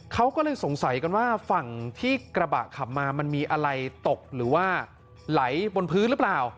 เขาก็เลยสงสัยกันว่าฝั่งที่กระบะขับมามันมีอะไรตกหรือว่าไหลบนพื้นหรือเปล่า